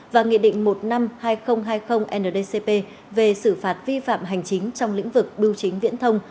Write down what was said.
và nghị định một năm hai nghìn hai mươi ndcp về xử phạt vi phạm hành chính trong lĩnh vực bưu chính viễn thông